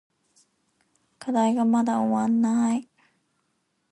課題がまだ終わらない。